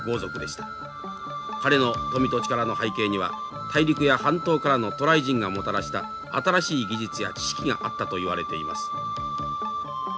彼の富と力の背景には大陸や半島からの渡来人がもたらした新しい技術や知識があったといわれています。